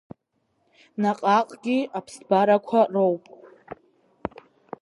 Наҟааҟгьы аԥсҭбарақәа роуит.